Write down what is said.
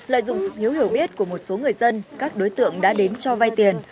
lợi dụng sự hiếu hiểu biết của một số người dân các đối tượng đã đến cho vay tiền